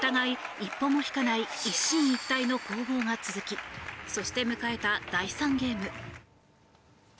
一歩も引かない一進一退の攻防が続きそして、迎えた第３ゲーム。